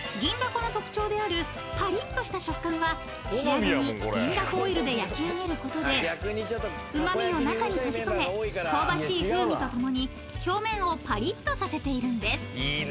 この特徴であるパリッとした食感は仕上げに銀だこオイルで焼き上げることでうまみを中に閉じ込め香ばしい風味とともに表面をパリッとさせているんです］